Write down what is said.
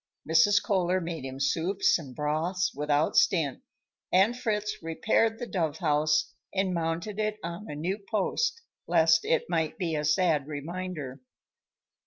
Mrs. Kohler made him soups and broths without stint, and Fritz repaired the dove house and mounted it on a new post, lest it might be a sad reminder.